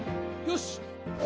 よし。